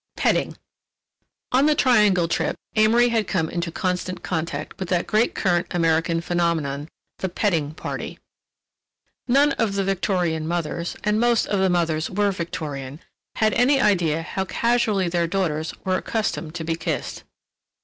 "PETTING" On the Triangle trip Amory had come into constant contact with that great current American phenomenon, the "petting party." None of the Victorian mothers—and most of the mothers were Victorian—had any idea how casually their daughters were accustomed to be kissed.